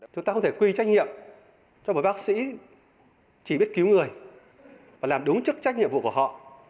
chúng ta không thể quy trách nhiệm cho một bác sĩ chỉ biết cứu người và làm đúng chức trách nhiệm vụ của họ